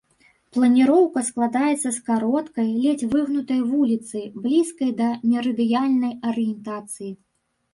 Планіроўка складаецца з кароткай, ледзь выгнутай вуліцы, блізкай да мерыдыянальнай арыентацыі.